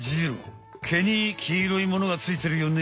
毛にきいろいものがついてるよね？